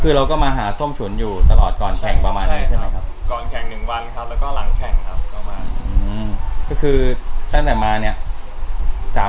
คือเราก็มาหาส้มฉุนอยู่ตลอดก่อนแข่งประมาณนี้ใช่ไหมครับ